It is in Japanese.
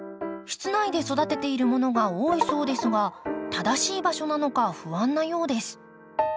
室内で育てているものが多いそうですが正しい場所なのか不安なようです。